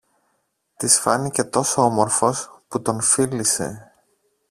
Της φάνηκε τόσο όμορφος, που τον φίλησε.